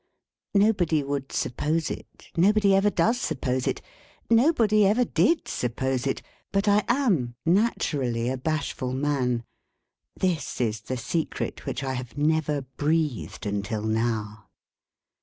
Nobody would suppose it, nobody ever does suppose it, nobody ever did suppose it, but I am naturally a bashful man. This is the secret which I have never breathed until now.